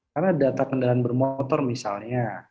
karena data kendaraan bermotor misalnya